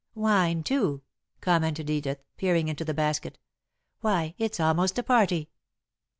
"Wine, too," commented Edith, peering into the basket. "Why, it's almost a party!"